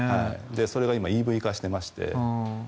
それがＥＶ化してまして。